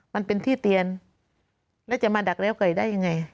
มันเป็นที่เตียนแล้วจะมาดักแล้วไก่ได้ยังไง